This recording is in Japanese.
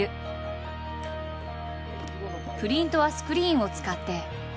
プリントはスクリーンを使って。